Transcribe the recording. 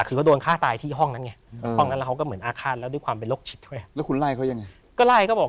คุณด่าเขาว่าไง